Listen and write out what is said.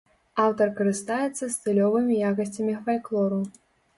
Аўтар карыстаецца стылёвымі якасцямі фальклору.